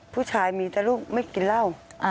ผู้ชายมีแต่ลูกไม่กินเหล้า